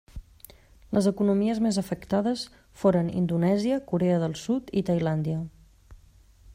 Les economies més afectades foren Indonèsia, Corea del Sud i Tailàndia.